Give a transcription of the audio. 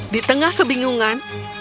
di tengah kebingungan